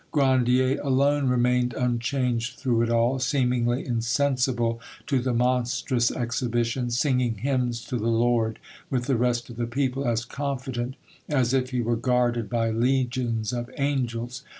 Grandier alone remained unchanged through it all, seemingly insensible to the monstrous exhibitions, singing hymns to the Lord with the rest of the people, as confident as if he were guarded by legions of angels.